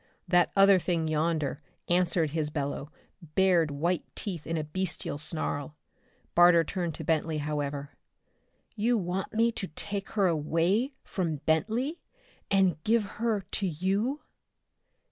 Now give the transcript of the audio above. That other thing yonder answered his bellow, bared white teeth in a bestial snarl. Barter turned to Bentley, however. "You want me to take her away from Bentley and give her to you?"